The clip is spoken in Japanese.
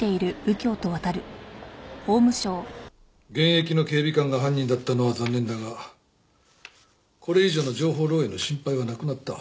現役の警備官が犯人だったのは残念だがこれ以上の情報漏洩の心配はなくなった。